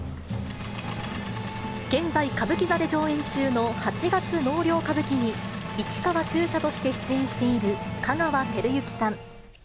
現在、歌舞伎座で上演中の八月納涼歌舞伎に、市川中車として出演している香川照之さん。